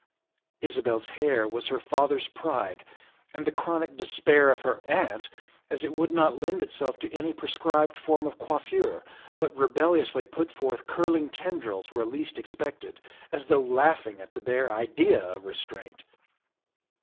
Isabel's hair was her father's pride and the chronic despair of her aunt, as it would not lend itself to any prescribed form of coiffure, but rebelliously put forth curling tendrils where least expected, as though laugh ing at the bare idea of restraint.